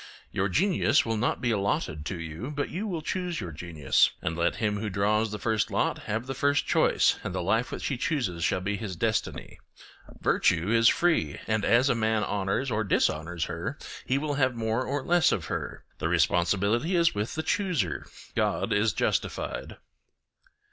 Your genius will not be allotted to you, but you will choose your genius; and let him who draws the first lot have the first choice, and the life which he chooses shall be his destiny. Virtue is free, and as a man honours or dishonours her he will have more or less of her; the responsibility is with the chooser—God is justified.